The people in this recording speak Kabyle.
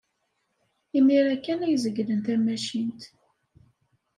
Imir-a kan ay zeglen tamacint.